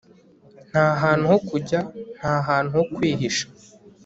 ntahantu ho kujya, ntahantu ho kwihisha